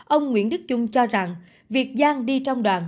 ông nguyễn đức trung cho rằng việc giang đi trong đoàn